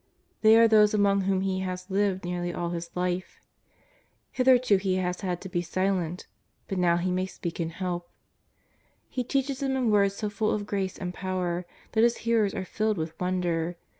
They are those among whom He has lived nearly all His Life. Hitherto He has had to be silent, but now He may speak and help. He {eaches them in words so full of grace and power that His hearers are filled with wonder.